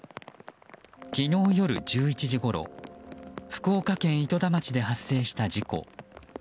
昨日夜１１時ごろ福岡県糸田町で発生した事故。